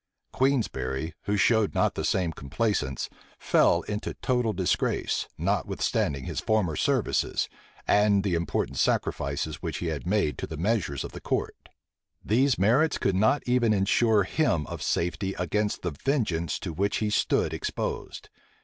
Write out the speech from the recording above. Queensberry, who showed not the same complaisance, fell into total disgrace, notwithstanding his former services, and the important sacrifices which he had made to the measures of the court. These merits could not even insure him of safety against the vengeance to which he stood exposed.